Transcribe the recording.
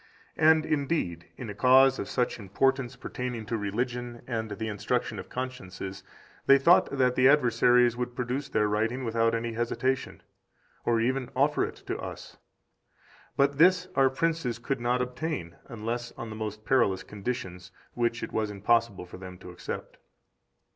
And, indeed, in a cause of such importance pertaining to religion and the instruction of consciences, they thought that the adversaries would produce their writing without any hesitation [, or even offer it to us]. But this our princes could not obtain, unless on the most perilous conditions, which it was impossible for them to accept.